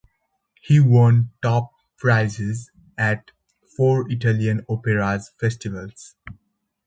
He won top prizes at four Italian opera festivals.